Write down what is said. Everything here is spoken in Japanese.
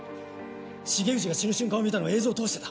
重藤が死ぬ瞬間を見たのは映像を通してだ。